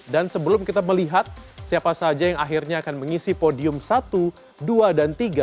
dan sebelum kita melihat siapa saja yang akhirnya akan mengisi podium satu dua dan tiga